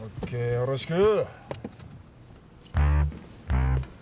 よろしく。